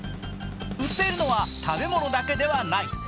売っているのは食べ物だけではない。